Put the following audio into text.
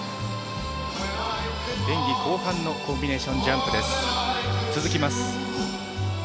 演技後半のコンビネーションジャンプです。